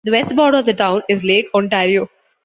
The west border of the town is Lake Ontario.